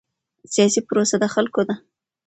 سیاسي پروسه د خلکو ده